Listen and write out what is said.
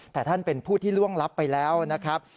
แต่ท่านเป็นผู้ที่ล่วงลับไปแล้วนะครับ